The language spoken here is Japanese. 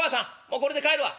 もうこれで帰るわ」。